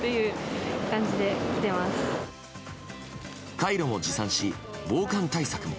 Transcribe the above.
カイロも持参し防寒対策。